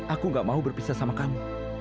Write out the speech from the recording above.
aku gak mau berpisah sama kamu